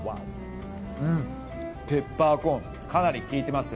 ペッパーコーンかなり効いてます。